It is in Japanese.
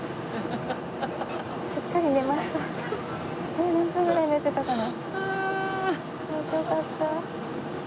えっ何分ぐらい寝てたかな？